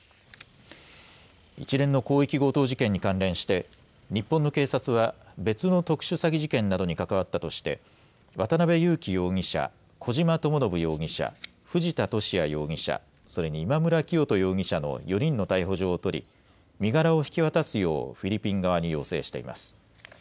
一連の広域強盗事件に関連して日本の警察は別の特殊詐欺事件などに関わったとして渡邉優樹容疑者、小島智信容疑者、藤田聖也容疑者、それに今村磨人容疑者の４人の逮捕状を取り、身柄を引き渡すようフィリピン側に要請しています。